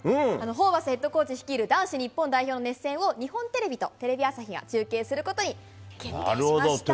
ホーバスヘッドコーチ率いる男子日本代表の熱戦を、日本テレビとテレビ朝日が中継することに決定しました。